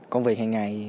công việc hàng ngày